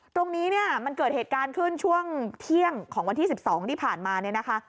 ตรงนี้เนี่ยมันเกิดเหตุการณ์ขึ้นช่วงเที่ยงของวันที่๑๒ที่ผ่านมาเนี่ยนะคะ